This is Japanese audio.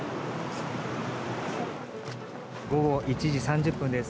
午後１時３０分です。